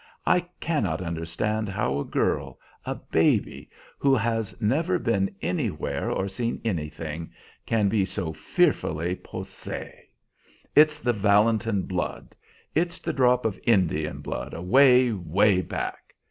I cannot understand how a girl, a baby, who has never been anywhere or seen anything, can be so fearfully posée. It's the Valentin blood. It's the drop of Indian blood away, 'way back.